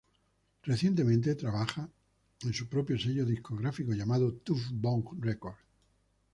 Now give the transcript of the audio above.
Recientemente, trabaja en su propio sello discográfico, llamado Tuff Bong Records.